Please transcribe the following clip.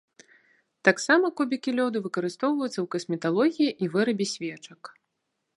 Таксама кубікі лёду выкарыстоўваюцца ў касметалогіі і вырабе свечак.